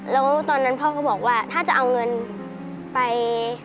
แล้วตอนนั้นพ่อก็บอกว่าถ้าจะเอาเงินไป